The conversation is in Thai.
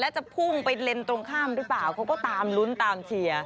จะพุ่งไปเลนส์ตรงข้ามหรือเปล่าเขาก็ตามลุ้นตามเชียร์